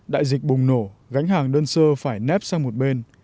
đại dịch bùng nổ gánh hàng đơn sơ phải nếp sang một bên